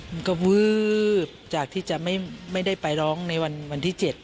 มันก็วืบจากที่จะไม่ได้ไปร้องในวันที่๗